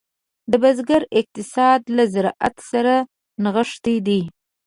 د بزګر اقتصاد له زراعت سره نغښتی دی.